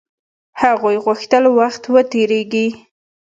هغوی غوښتل وخت و تېريږي.